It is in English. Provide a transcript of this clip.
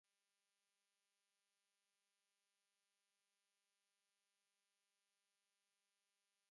The females' calls while incubating are similar, but are lower-pitched.